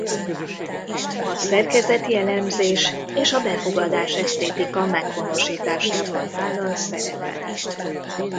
A szerkezeti elemzés és a befogadás esztétika meghonosításában vállal szerepet.